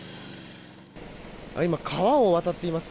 今、川を渡っています。